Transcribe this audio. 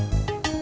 gak usah bayar